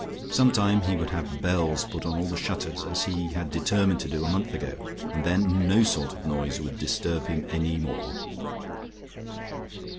Some time he would have bells put on all the shutters as he had determined to do a month ago, and then no sort of noise would disturb him any more....